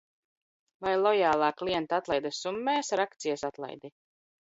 Vai lojālā klienta atlaide summējas ar akcijas atlaidi?